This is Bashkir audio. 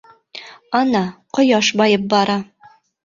Ана, ҡояш байып бара.